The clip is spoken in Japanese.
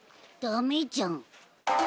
ダメじゃん。